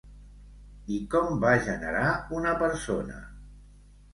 I com va generar una persona?